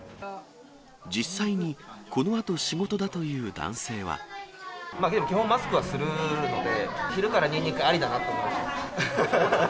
実際に、このあと仕事だとい基本、マスクはするので、昼からニンニクありだなと思いました。